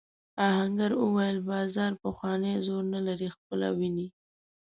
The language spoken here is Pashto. آهنګر وویل بازار پخوانی زور نه لري خپله وینې.